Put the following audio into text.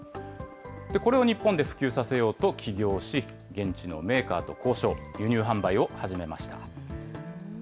これを日本で普及させようと起業し、現地のメーカーと交渉、輸入販売を始めました。